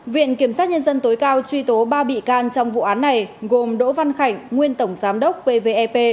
viện kiểm sát nhân dân tối cao truy tố ba bị can trong vụ án này gồm đỗ văn khảnh nguyên tổng giám đốc pvep